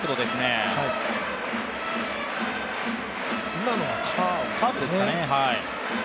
今のはカーブですね。